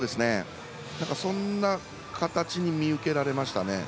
そんな形に見受けられましたね。